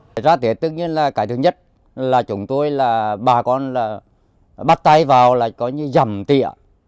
thật ra tết tất nhiên là cái thứ nhất là chúng tôi là bà con là bắt tay vào là có như dầm tịa